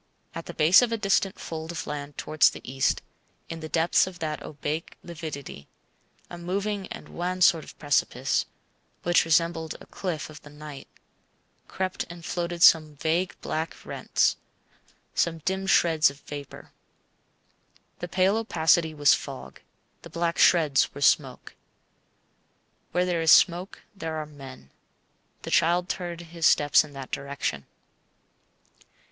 At the base of a distant fold of land towards the east, in the depths of that opaque lividity (a moving and wan sort of precipice, which resembled a cliff of the night), crept and floated some vague black rents, some dim shreds of vapour. The pale opacity was fog, the black shreds were smoke. Where there is smoke there are men. The child turned his steps in that direction.